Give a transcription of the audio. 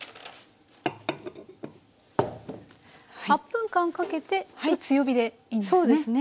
８分間かけて強火でいいんですね。